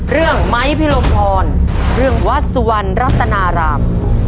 เรื่องไม้พิรมพรเรื่องวัดสุวรรณรัตนาราม